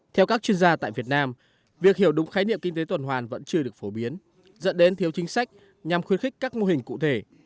theo các chuyên gia tại việt nam việc hiểu đúng khái niệm kinh tế tuần hoàn vẫn chưa được phổ biến dẫn đến thiếu chính sách nhằm khuyến khích các mô hình cụ thể